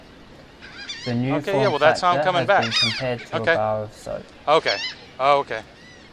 The new form factor has been compared to a bar of soap.